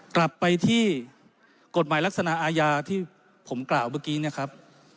กลับไปที่กฎหมายลักษณะอาญาที่ผมกล่าวเมื่อกี้เนี่ยครับ